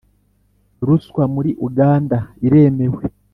ruswa muri uganda iremewe